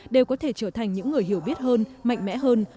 đều có thể trở thành những người hiểu biết hơn mạnh mẽ hơn